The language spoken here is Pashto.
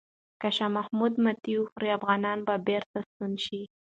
که شاه محمود ماتې وخوري، افغانان به بیرته ستون شي.